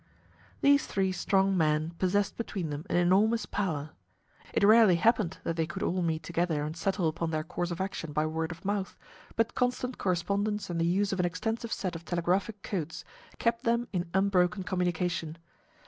These three strong men possessed between them an enormous power. It rarely happened that they could all meet together and settle upon their course of action by word of month, but constant correspondence and the use of an extensive set of telegraphic codes kept them in unbroken communication.